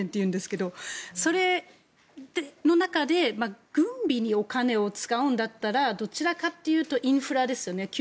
それの中で軍備にお金を使うんだったらどちらかというとインフラですよね。